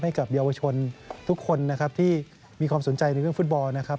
ให้กับเยาวชนทุกคนนะครับที่มีความสนใจในเรื่องฟุตบอลนะครับ